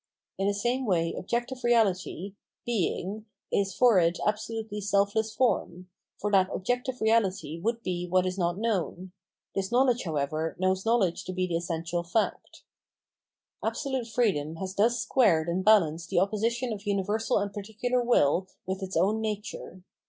In the same way objective reality, "being," is for it absolutely self less form; for that objective reality would be what is not known : this knowledge, however, knows knowledge to be the essen tial fact. Absolute freedom has thus squared and balanced the opposition of universal and particular will with its own nature.